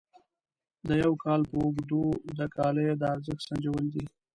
د یو کال په اوږدو د کالیو د ارزښت سنجول دي.